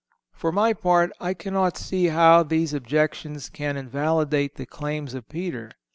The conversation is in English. For my part I cannot see how these objections can invalidate the claims of Peter.